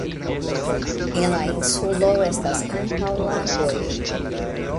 En la insulo estas ankaŭ lagoj.